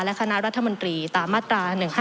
และคณะรัฐมนตรีตามมาตรา๑๕